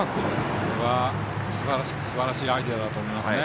これはすばらしいアイデアだと思いますね。